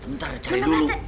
sebentar cari dulu